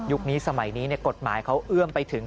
นี้สมัยนี้กฎหมายเขาเอื้อมไปถึง